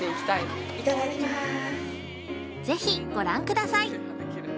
◆ぜひ、ご覧ください。